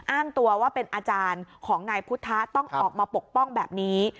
อ้างตัวว่าเป็นอาจารย์ของนายพุทธะต้องออกมาปกป้องแบบนี้